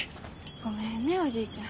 ごめんねおじいちゃん。